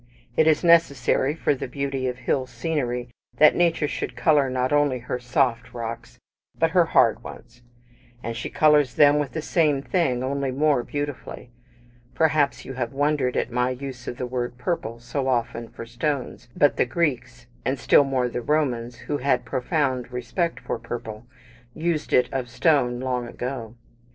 It is necessary for the beauty of hill scenery that Nature should colour not only her soft rocks, but her hard ones; and she colours them with the same thing, only more beautifully. Perhaps you have wondered at my use of the word "purple," so often of stones; but the Greeks, and still more the Romans, who had profound respect for purple, used it of stone long ago.